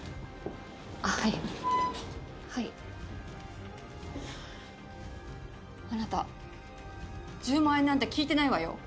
あっはいはいあなた１０万円なんて聞いてないわよ